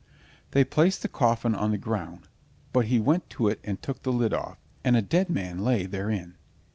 They placed the coffin on the ground, but he went to it and took the lid off, and a dead man lay therein.